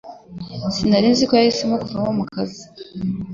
Sinari nzi ko yahisemo kuva mu kazi